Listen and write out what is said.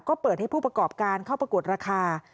ก็เปิดให้ผู้ประกอบการเข้าประกวดราคา